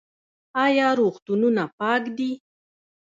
آیا روغتونونه پاک دي؟